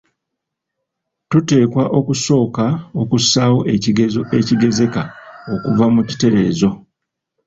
Tuteekwa okusooka okussaawo ekigezeso ekigezeka okuva mu kiteerezo.